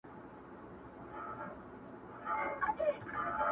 ویل صاحبه زموږ خو ټول ابرو برباد سوه,